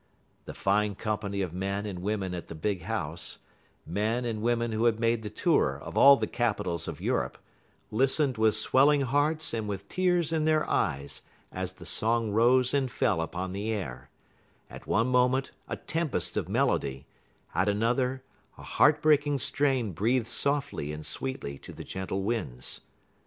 The fine company of men and women at the big house men and women who had made the tour of all the capitals of Europe listened with swelling hearts and with tears in their eyes as the song rose and fell upon the air at one moment a tempest of melody, at another a heart breaking strain breathed softly and sweetly to the gentle winds.